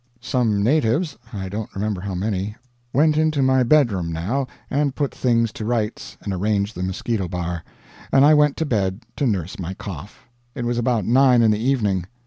Some natives I don't remember how many went into my bedroom, now, and put things to rights and arranged the mosquito bar, and I went to bed to nurse my cough. It was about nine in the evening.